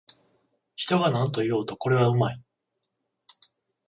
人がなんと言おうと、これはうまい